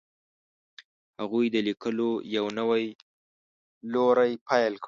هغوی د لیکلو یو نوی لوری پیل کړ.